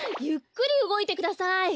ゆっくりうごいてください！